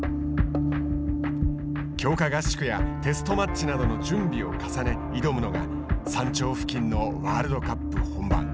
強化合宿やテストマッチなどの準備を重ね、挑むのが山頂付近のワールドカップ本番。